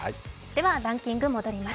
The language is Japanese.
ランキング戻ります。